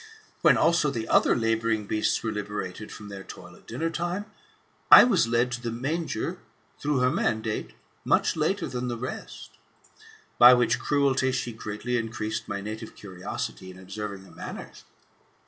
When also the other labouring beasts were liberated from their toil at dinner time, I was led to the manger, through her mandate, much later than the rest: by which cruelly, she greatly increased my native curiosity in observing her manners.